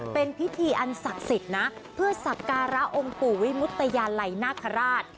เป็นพิธีอันศักดิ์สิทธิ์นะเพื่อสักการะองค์ปู่วิมุตยาลัยนาคาราช